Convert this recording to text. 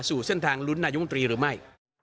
สู่เส้นทางลุ้นนายมนตรีหรือไม่